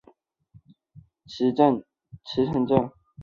祖籍宁波府慈溪县慈城镇。